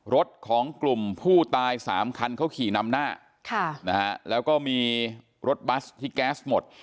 รถของกลุ่มผู้ตายสามคันเขาขี่นำหน้าแล้วก็มีรถบัสที่แก๊สหมด